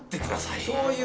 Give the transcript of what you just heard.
そういうね